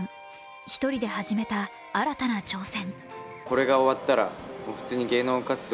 １人で始めた新たな挑戦。